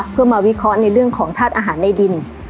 เพื่อมาวิเคราะห์ในเรื่องของธาตุอาหารในดิน